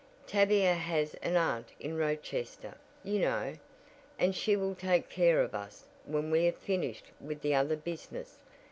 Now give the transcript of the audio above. Tavia has an aunt in Rochester, you know, and she will take care of us when we have finished with the other business.